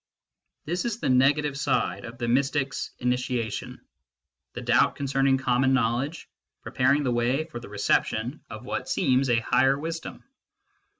This is the negative side of the mystic s initiation : the doubt concerning common knowledge, preparing the way for the reception of what seems a higher wisdom.